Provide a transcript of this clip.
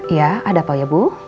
ya ada apa ya bu